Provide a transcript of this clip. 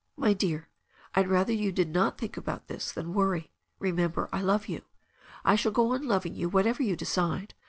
"My dear, I'd rather you did not think about this than worry. Remember I love you. I shall go on loving you whatever you decide.